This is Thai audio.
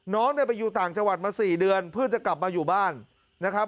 น้องเนี่ยไปอยู่ต่างจังหวัดมา๔เดือนเพื่อจะกลับมาอยู่บ้านนะครับ